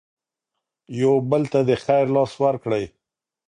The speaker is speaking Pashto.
یو بل ته د خیر لاس ورکړئ.